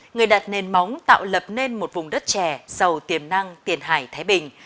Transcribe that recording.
người đặt nền móng tạo lập nên một vùng đất trẻ giàu tiềm năng tiền hải thái bình